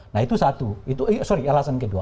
nah itu satu sorry alasan kedua